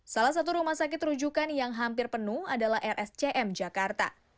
salah satu rumah sakit rujukan yang hampir penuh adalah rscm jakarta